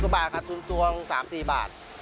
๕๐บาทขาดทุนตรวง๓๔บาท